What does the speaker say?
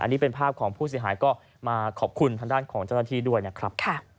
อันนี้เป็นภาพของผู้เสียหายก็มาขอบคุณทางด้านของเจ้าหน้าที่ด้วยนะครับ